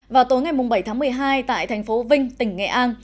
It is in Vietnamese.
vào tối ngày bảy tháng một mươi hai tại thành phố vinh tỉnh nghệ an